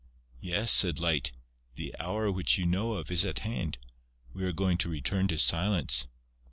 "Yes," said Light. "The hour which you know of is at hand.... We are going to return to silence...."